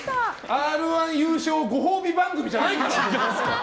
「Ｒ‐１」優勝ご褒美番組じゃないから！